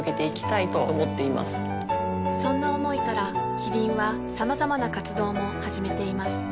そんな思いからキリンはさまざまな活動も始めています